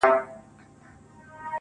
هغه به چاسره خبري کوي_